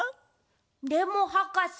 でもはかせ。